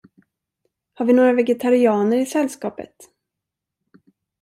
Har vi några vegetarianer i sällskapet?